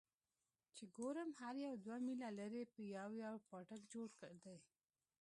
چې ګورم هر يو دوه ميله لرې يو يو پاټک جوړ دى.